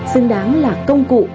xứng đáng là công cụ